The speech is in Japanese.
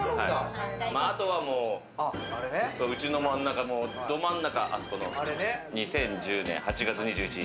あと、うちのど真ん中、あそこの、２０１０年８月２１日。